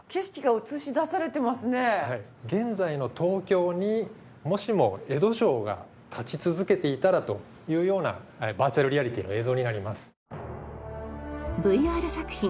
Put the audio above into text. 現在の東京にもしも江戸城が立ち続けていたらというようなバーチャルリアリティの映像になります。